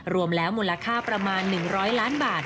รวมแล้วมูลค่าประมาณ๑๐๐ล้านบาท